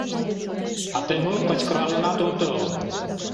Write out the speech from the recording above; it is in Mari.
— А тый мо, кычкыралынат отыл?